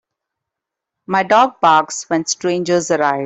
My dog barks when strangers arrive.